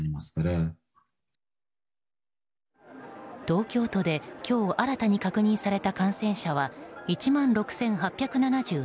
東京都で今日新たに確認された感染者は１万６８７８人。